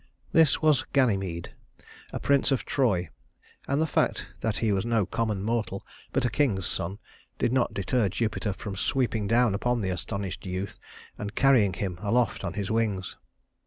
This was Ganymede, a prince of Troy; and the fact that he was no common mortal, but a king's son, did not deter Jupiter from swooping down upon the astonished youth, and carrying him aloft on his wings.